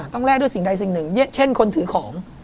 แลกด้วยสิ่งใดสิ่งหนึ่งเช่นคนถือของ